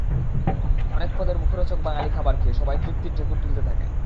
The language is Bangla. হরেক পদের মুখরোচক বাঙালি খাবার খেয়ে সবাই তৃপ্তির ঢেকুর তুলতে থাকেন।